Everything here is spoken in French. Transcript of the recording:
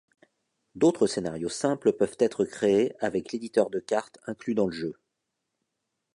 D'autres scénarios simples peuvent être créés avec l'éditeur de carte inclus dans le jeu.